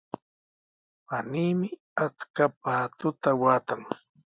Paniimi achka paatuta waatan.